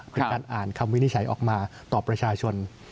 เป็นการอ่านคำวินิจฉัยออกมาต่อประชาชน